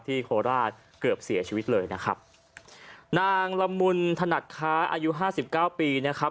โคราชเกือบเสียชีวิตเลยนะครับนางละมุนถนัดค้าอายุห้าสิบเก้าปีนะครับ